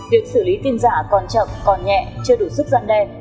việc xử lý tin giả còn chậm còn nhẹ chưa đủ sức gian đe